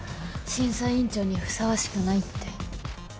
「審査委員長にふさわしくない」って。